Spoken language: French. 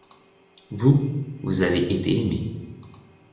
Vous, vous avez été aimé.